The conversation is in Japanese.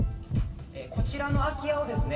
こちらの空き家をですね